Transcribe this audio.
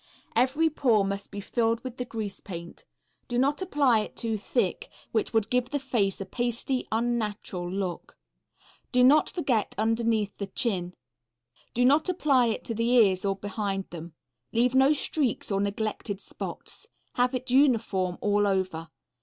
Every pore must be filled with the grease paint. Do not apply it too thick, which would give the face a pasty, unnatural look. Do not forget underneath the chin. Do not apply it to the ears or behind them. Leave no streaks or neglected spots. Have it uniform all over.